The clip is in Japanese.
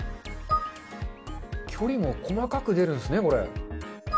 距離も細かく出るんですね、これ。